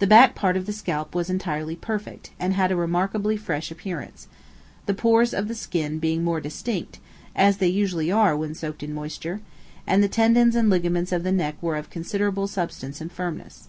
The back part of the scalp was entirely perfect, and had a remarkably fresh appearance the pores of the skin being more distinct, as they usually are when soaked in moisture, and the tendons and ligaments of the neck were of considerable substance and firmness.